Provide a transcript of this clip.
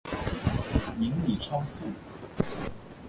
您已超速